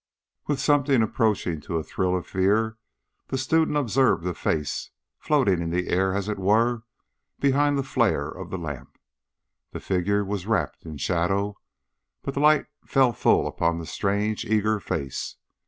With something approaching to a thrill of fear the student observed a face, floating in the air as it were, behind the flare of the lamp. The figure was wrapped in shadow, but the light fell full upon the strange eager face.